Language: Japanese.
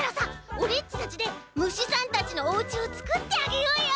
オレっちたちでむしさんたちのおうちをつくってあげようよ！